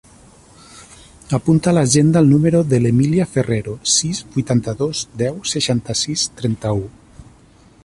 Apunta a l'agenda el número de l'Emília Ferrero: sis, vuitanta-dos, deu, seixanta-sis, trenta-u.